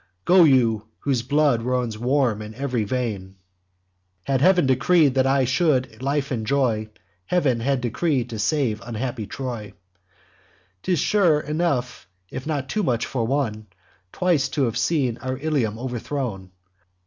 'Go you, whose blood runs warm in ev'ry vein. Had Heav'n decreed that I should life enjoy, Heav'n had decreed to save unhappy Troy. 'Tis, sure, enough, if not too much, for one, Twice to have seen our Ilium overthrown.